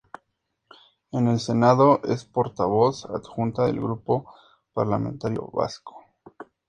En el Senado es portavoz adjunta del grupo parlamentario vasco.